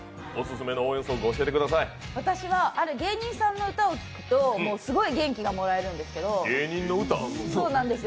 私はある芸人さんの歌を聴くとすごい元気がもらえるんですけど。